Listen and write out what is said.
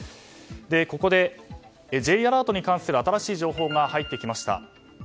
ここでＪアラートに関する新しい情報が入ってきました。